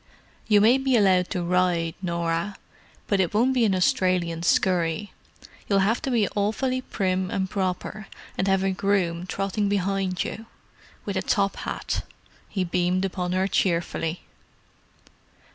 You may be allowed to ride, Norah, but it won't be an Australian scurry—you'll have to be awfully prim and proper, and have a groom trotting behind you. With a top hat." He beamed upon her cheerfully.